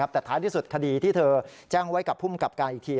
แต่ท้ายที่สุดคดีที่เธอแจ้งไว้กับภูมิกับการอีกที